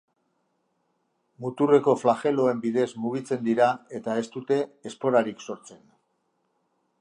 Muturreko flageloen bidez mugitzen dira eta ez dute esporarik sortzen.